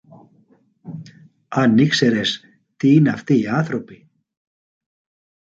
Αν ήξερες τι είναι αυτοί οι άνθρωποι!